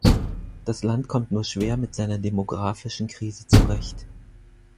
Das Land kommt nur schwer mit seiner demografischen Krise zurecht.